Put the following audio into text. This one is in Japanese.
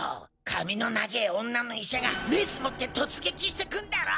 髪の長ぇ女の医者がメス持って突撃してくんだろ？